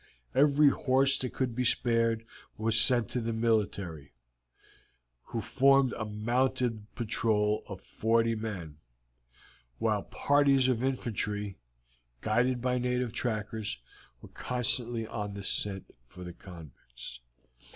Every horse that could be spared was lent to the military, who formed a mounted patrol of forty men, while parties of infantry, guided by native trackers, were constantly on the scent for the convicts.